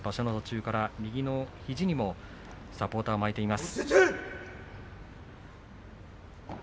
右の肘にもサポーターを巻いています。